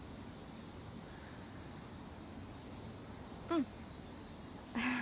うん。